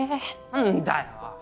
なんだよ！